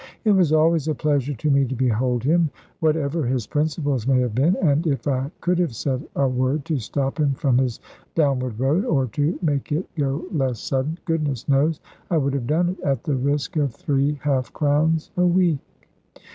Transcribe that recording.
It was always a pleasure to me to behold him; whatever his principles may have been, and if I could have said a word to stop him from his downward road, or to make it go less sudden, goodness knows I would have done it, at the risk of three half crowns a week.